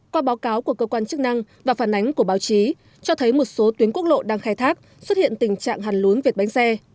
qua báo cáo của cơ quan chức năng và phản ánh của báo chí cho thấy một số tuyến quốc lộ đang khai thác xuất hiện tình trạng hàn lún vệt bánh xe